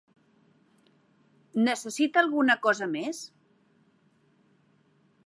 Necessita alguna cosa més?